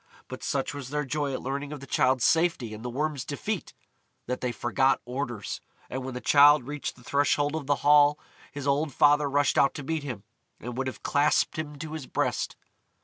But such was their joy at learning of the Childe's safety and the Worm's defeat, that they forgot orders, and when the Childe reached the threshold of the Hall his old father rushed out to meet him, and would have clasped him to his breast.